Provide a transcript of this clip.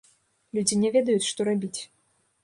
Людзі не ведаюць, што рабіць.